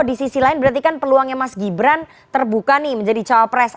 di sisi lain berarti kan peluangnya mas gibran terbuka nih menjadi cawapres